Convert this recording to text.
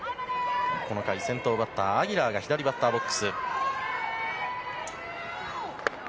この回、先頭バッターのアギラーが左バッターボックス。